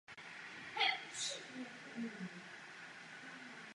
Katolické křesťanství se pozvolna začalo šířit mezi ostatní Franky.